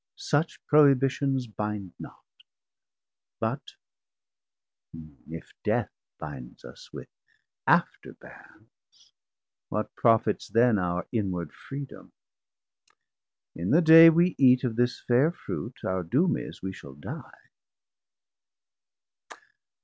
Such prohibitions binde not. But if Death 760 Bind us with after bands, what profits then Our inward freedom? In the day we eate Of this fair Fruit, our doom is, we shall die.